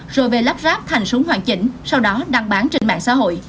rồi về lắp ráp thành súng hoàn chỉnh sau đó đăng bán trên mạng xã hội